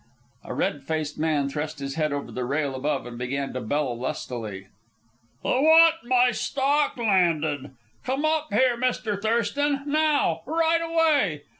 A red faced man thrust his head over the rail above and began to bellow lustily. "I want my stock landed! Come up here, Mr. Thurston! Now! Right away!